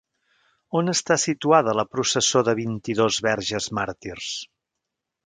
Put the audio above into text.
On està situada la processó de vint-i-dos verges màrtirs?